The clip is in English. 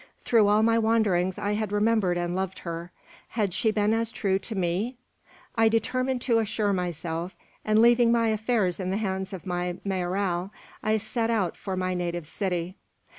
Through all my wanderings I had remembered and loved her. Had she been as true to me? "I determined to assure myself; and leaving my affairs in the hands of my mayoral, I set out for my native city.